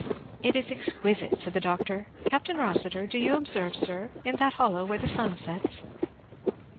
"It is exquisite!" said the doctor. "Capt. Rossitur, do you observe, sir? in that hollow where the sun sets?